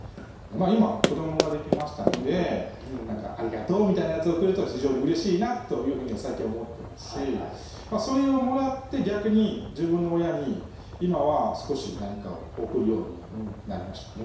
今子どもができましたので「ありがとう」みたいなやつをくれると非常にうれしいなというふうには最近思ってますしそれをもらって逆に自分の親に今は少し何かを贈るようにはなりましたね